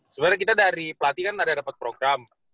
sebenarnya kita dari pelatih kan ada dapat program